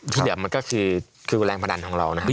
ที่เหลือมันก็คือแรงพนันของเรานะครับ